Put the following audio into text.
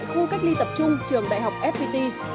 khu cách ly tập trung trường đại học fpt